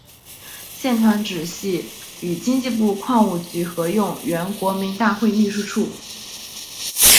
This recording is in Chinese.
现团址系与经济部矿务局合用原国民大会秘书处。